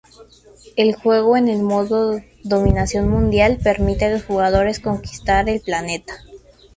El juego en el modo "dominación mundial" permite a los jugadores conquistar el planeta.